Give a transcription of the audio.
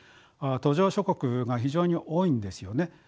途上諸国が非常に多いんですよね。